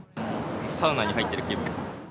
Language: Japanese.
サウナに入ってる気分。